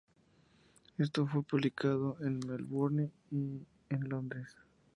Esto fue publicado en Melbourne y en Londres.